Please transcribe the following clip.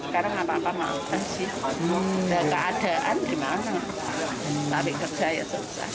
kerja ya susah